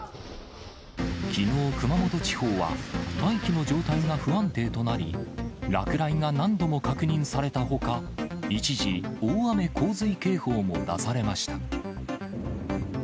きのう、熊本地方は大気の状態が不安定となり、落雷が何度も確認されたほか、一時、大雨洪水警報も出されました。